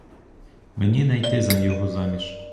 Мені не йти за його заміж.